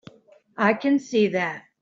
I can see that.